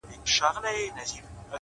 دا څنګه چل دی د ژړا او د خندا لوري’